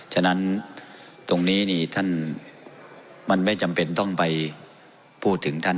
ฉะนั้นตรงนี้นี่ท่านมันไม่จำเป็นต้องไปพูดถึงท่าน